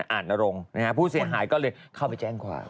อ่านนรงค์นะฮะผู้เสียหายก็เลยเข้าไปแจ้งความ